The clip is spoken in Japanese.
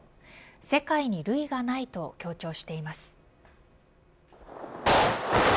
世界に類がないと強調しています。